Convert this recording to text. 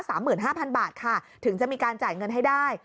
หมื่นห้าพันบาทค่ะถึงจะมีการจ่ายเงินให้ได้